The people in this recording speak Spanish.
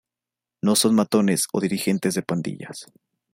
No son matones o dirigentes de pandillas.